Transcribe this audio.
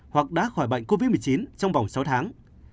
hoặc đã khỏi bệnh covid một mươi chín trong vòng sáu tháng